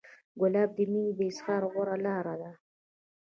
ګلاب د مینې د اظهار غوره لاره ده.